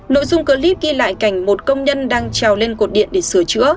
nội dung clip ghi lại cảnh một công nhân đang treo lên cột điện để sửa chữa